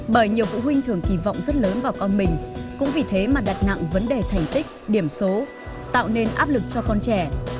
bởi nhiều phụ huynh thường kỳ vọng rất lớn vào con mình cũng vì thế mà đặt nặng vấn đề thành tích điểm số tạo nên áp lực cho con trẻ